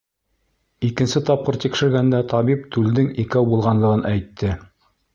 Икенсе тапҡыр тикшергәндә, табип түлдең икәү булғанлығын әйтте.